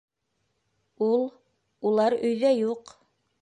Ул... улар өйҙә юҡ.